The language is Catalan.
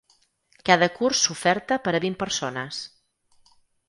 Cada curs s’oferta per a vint persones.